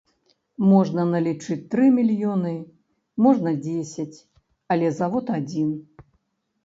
Можна налічыць тры мільёны, можна дзесяць, але завод адзін.